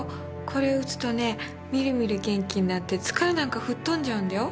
これ打つとねみるみる元気になって疲れなんか吹っ飛んじゃうんだよ。